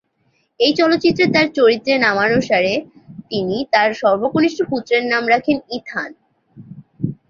এই চলচ্চিত্রে তার চরিত্রে নামানুসারে তিনি তার সর্বকনিষ্ঠ পুত্রের নাম রাখেন ইথান।